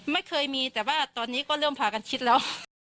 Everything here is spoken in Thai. ไม่เคยมีแต่ว่าตอนนี้ก็เริ่มพากันคิดแล้ว